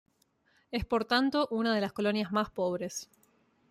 Es por tanto una de las colonias más pobres.